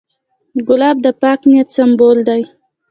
ګلاب د پاک نیت سمبول دی.